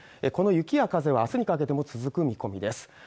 この雪や風はあすにかけても続く見込みです